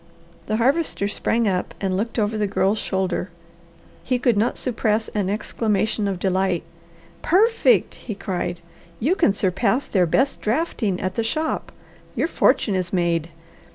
The Harvester sprang up and looked over the Girl's shoulder. He could not suppress an exclamation of delight. "Perfect!" he cried. "You can surpass their best drafting at the shop! Your fortune is made.